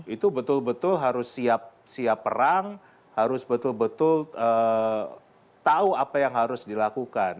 itu betul betul harus siap perang harus betul betul tahu apa yang harus dilakukan